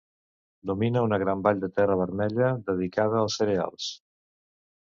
Domina una gran vall de terra vermella dedicada als cereals.